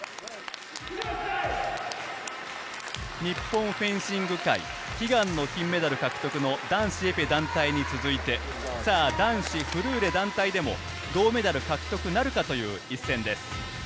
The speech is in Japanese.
日本フェンシング界、悲願の金メダル獲得の男子エペ団体に続いて、男子フルーレ団体でも銅メダル獲得なるかという一戦です。